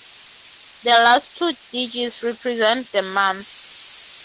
The last two digits represent the month.